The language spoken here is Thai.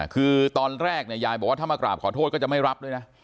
คือตอนแรกเนี่ยยายบอกว่าถ้ามากราบขอโทษก็จะไม่รับด้วยนะ